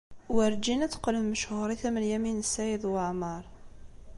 Werǧin ad teqqlem mechuṛit am Lyamin n Saɛid Waɛmeṛ.